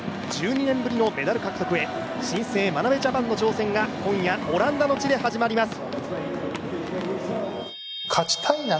１２年ぶりのメダル獲得へ新生眞鍋ジャパンの挑戦が今夜オランダの地で始まります。